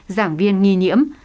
giảng viên nghi nhiễm